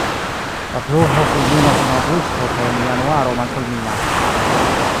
La pluvo kulminas en aŭgusto kaj en januaro malkulminas.